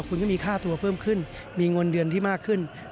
คุณก็มีค่าตัวเพิ่มขึ้นมีเงินเดือนที่มากขึ้น